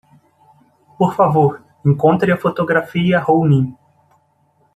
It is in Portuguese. Por favor, encontre a fotografia Rounin.